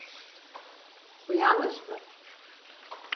Bu yanlış mı?